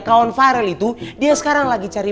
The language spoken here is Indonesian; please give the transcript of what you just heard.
kawan viral itu dia sekarang lagi cari